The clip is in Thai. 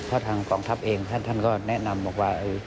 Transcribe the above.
เพราะทางกองทัพเองท่านก็แนะนำบอกว่า